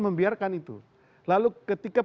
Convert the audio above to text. membiarkan itu lalu ketika